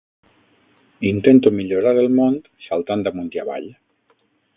Intento millorar el món saltant amunt i avall.